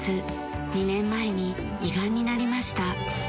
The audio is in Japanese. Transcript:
２年前に胃がんになりました。